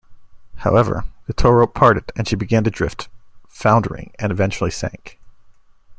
However, the tow rope parted and she began to drift, foundering, and eventually sank.